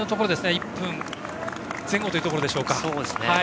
１分前後というところでしょうか。